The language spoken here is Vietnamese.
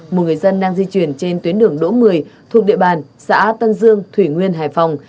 một người dân đang di chuyển trên tuyến đường đỗ một mươi thuộc địa bàn xã tân dương thủy nguyên hải phòng